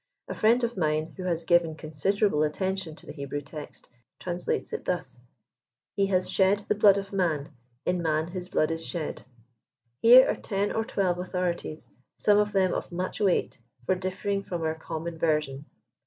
A friend of mine, who has given con siderable attention to the Hebrew text, translates it thus :" He has shed the blood of man, in man his blood is shed." Here are ten or twelve authorities, some of them of much weight, for differing from our common version.